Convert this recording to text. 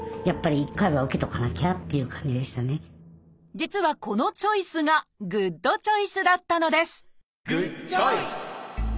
実はこのチョイスがグッドチョイスだったのですグッドチョイス！